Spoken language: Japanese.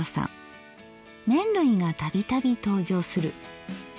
麺類が度々登場する。